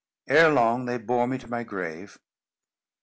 Ere long, they bore me to my grave.